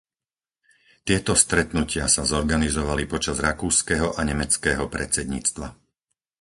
Tieto stretnutia sa zorganizovali počas rakúskeho a nemeckého predsedníctva.